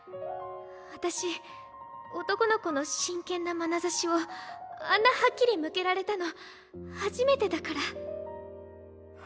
私男の子の真剣なまなざしをあんなはっきり向けられたの初めてだから。